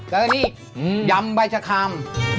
แล้วนี่ยำใบชะคาม